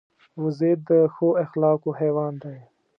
وزې د ښو اخلاقو حیوان دی